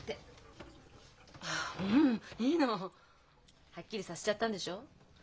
あっううん。いいの。はっきりさせちゃったんでしょ？